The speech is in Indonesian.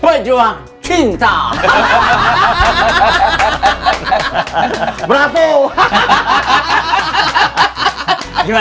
pada paskan berhubungnya